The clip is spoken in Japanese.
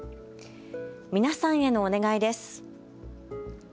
皆さんへのお願いです。